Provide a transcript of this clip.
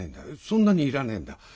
そんなにいらねえんだ。